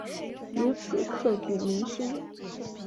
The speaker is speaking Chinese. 如此刻骨铭心